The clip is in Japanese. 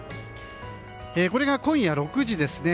これが今夜６時ですね。